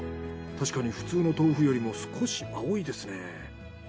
確かに普通の豆腐よりも少し青いですね。